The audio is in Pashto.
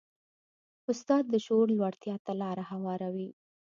استاد د شعور لوړتیا ته لاره هواروي.